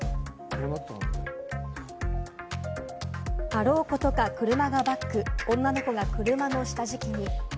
あろうことか車がバック、女の子が車の下敷きに。